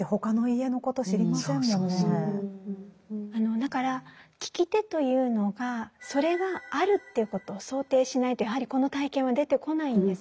だから聞き手というのがそれがあるということを想定しないとやはりこの体験は出てこないんです。